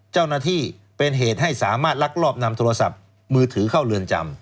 เจ้าหน้าที่เป็นเหตุให้สามารถลักลอบนำโทรศัพท์มือถือเข้าเรือนจำ